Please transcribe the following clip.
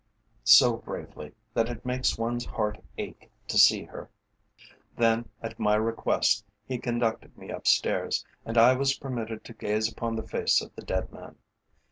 "So bravely, that it makes one's heart ache to see her." Then, at my request, he conducted me upstairs, and I was permitted to gaze upon the face of the dead man.